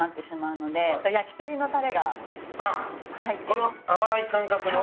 この甘い感覚の？